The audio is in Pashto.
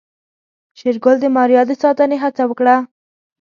شېرګل د ماريا د ساتنې هڅه وکړه.